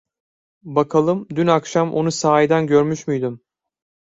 Bakalım dün akşam onu sahiden görmüş müydüm?